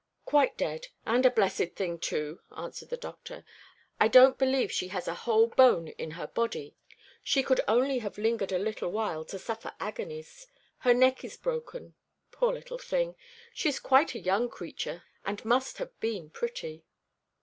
"Quite dead, and a blessed thing too," answered the doctor. "I don't believe she has a whole bone in her body. She could only have lingered a little while to suffer agonies. Her neck is broken. Poor little thing! She is quite a young creature and must have been pretty."